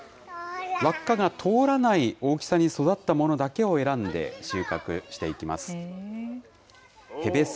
輪っかが通らない大きさに育ったものだけを選んで収穫していきます。